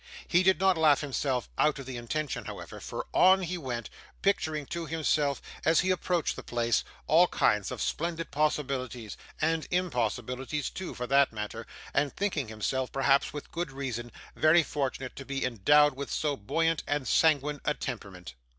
He did not laugh himself out of the intention, however, for on he went: picturing to himself, as he approached the place, all kinds of splendid possibilities, and impossibilities too, for that matter, and thinking himself, perhaps with good reason, very fortunate to be endowed with so buoyant and sanguine a temperament.